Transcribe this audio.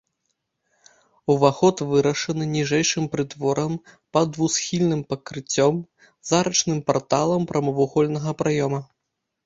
Уваход вырашаны ніжэйшым прытворам пад двухсхільным пакрыццём, з арачным парталам прамавугольнага праёма.